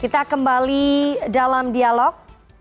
kita kembali dalam dialog